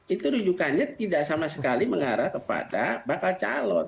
itu rujukannya tidak sama sekali mengarah kepada bakal calon